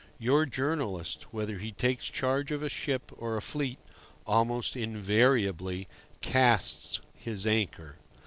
Your journalist, whether he takes charge of a ship or a fleet, almost invariably "casts" his anchor.